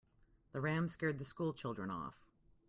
The ram scared the school children off.